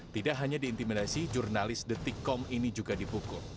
tidak hanya diintimidasi jurnalisdetik com ini juga dibukul